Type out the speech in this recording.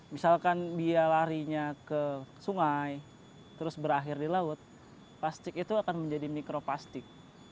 misalkan dia larinya ke sungai terus berakhir di laut plastik itu akan menjadi mikroplastik